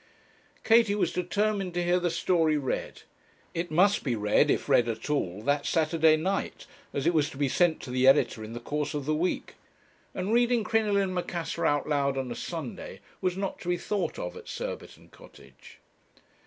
Katie was determined to hear the story read. It must be read, if read at all, that Saturday night, as it was to be sent to the editor in the course of the week; and reading 'Crinoline and Macassar' out loud on a Sunday was not to be thought of at Surbiton Cottage.